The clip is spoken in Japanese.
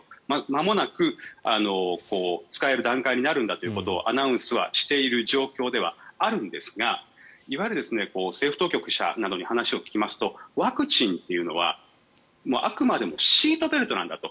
まもなく使える段階になるんだということをアナウンスはしている状況ではあるんですが政府当局者などに話を聞きますとワクチンというのはあくまでもシートベルトなんだと。